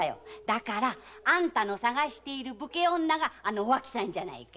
だからあんたの探してる武家女があのおあきさんじゃないか！